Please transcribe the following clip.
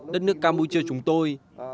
đất nước campuchia chúng tôi